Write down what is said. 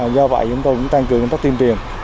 do vậy chúng tôi cũng tăng cường công tác tuyên truyền